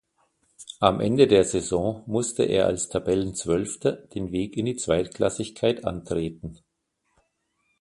Am Ende der Saison musste er als Tabellenzwölfter den Weg in die Zweitklassigkeit antreten.